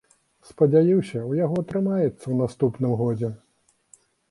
Спадзяюся, у яго атрымаецца ў наступным годзе.